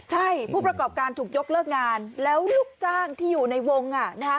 ใช่ผู้ประกอบการถูกยกเลิกงานแล้วลูกจ้างที่อยู่ในวงอ่ะนะคะ